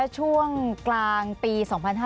ช่วงกลางปี๒๕๕๙